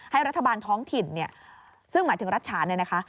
ให้รัฐบาลท้องถิ่นเนี่ยซึ่งหมายถึงรัฐฉานเนี่ยนะคะ